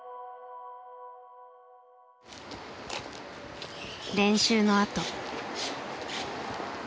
練習のあと。